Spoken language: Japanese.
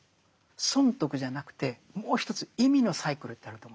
損得じゃなくてもう一つ意味のサイクルってあると思うんですよ。